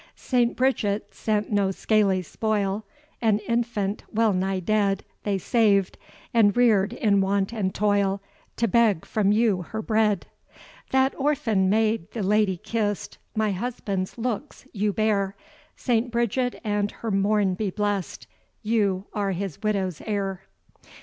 "St. Bridget sent no scaly spoil; An infant, wellnigh dead, They saved, and rear'd in want and toil, To beg from you her bread." That orphan maid the lady kiss'd "My husband's looks you bear; St. Bridget and her morn be bless'd! You are his widow's heir."